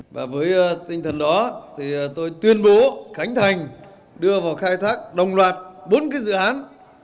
và với tinh thần đó thì tôi tuyên bố khánh thành đưa vào khai thác đồng loạt bốn cái dự án